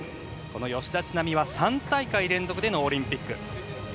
吉田知那美は３大会連続でのオリンピック。